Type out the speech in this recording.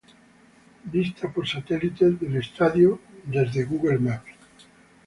Vista satelital del estadio por Google Maps.